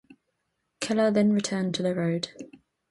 Kellar then returned to the road.